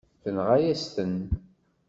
Yenɣa-yas-ten.